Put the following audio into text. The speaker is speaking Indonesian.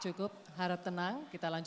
cukup harap tenang